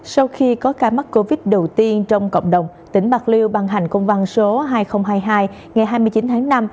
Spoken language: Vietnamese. sau khi có ca mắc covid đầu tiên trong cộng đồng tỉnh bạc liêu băng hành công văn số hai nghìn hai mươi hai ngày hai mươi chín tháng năm